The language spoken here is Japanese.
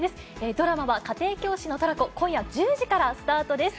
ドラマは家庭教師のトラコ、今夜１０時からスタートです。